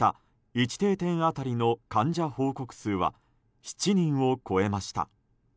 １定点当たりの患者報告数は７人を超えました。